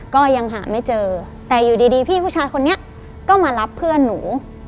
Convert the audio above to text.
ก็ยังหาไม่เจอแต่อยู่ดีพี่ผู้ชายคนนี้ก็มารับเพื่อนหนู